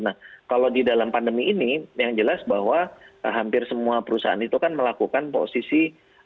nah kalau di dalam pandemi ini yang jelas bahwa hampir semua perusahaan itu kan melakukan posisi